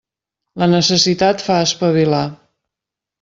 La necessitat fa espavilar.